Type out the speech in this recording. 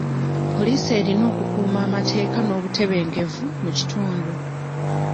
Police erina okukuuma amateeka n'obutebenkevu mu kitundu.